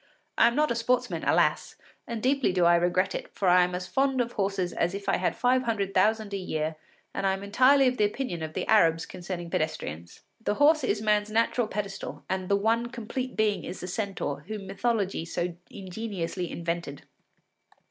I am not a sportsman, alas! and deeply do I regret it, for I am as fond of horses as if I had five hundred thousand a year, and I am entirely of the opinion of the Arabs concerning pedestrians. The horse is man’s natural pedestal, and the one complete being is the centaur, whom mythology so ingeniously invented.